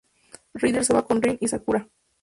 Rider se va con Rin y Sakura.